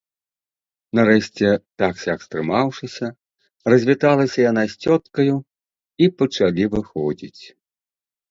Нарэшце, так-сяк стрымаўшыся, развіталася яна з цёткаю, і пачалі выходзіць.